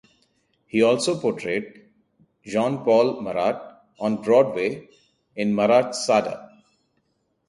He also portrayed Jean Paul Marat on Broadway in "Marat Sade".